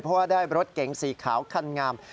เพราะว่าได้รถเก๋งสีขาวคันงาม